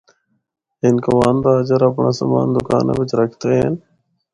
ہندکووان تاجر اپنڑا سامان دوکاناں بچ رکھدے ہن۔